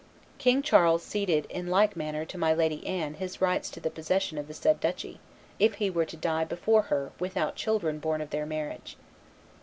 King Charles ceded in like manner to my Lady Anne his rights to the possession of the said duchy, if he were to die before her with out children born of their marriage.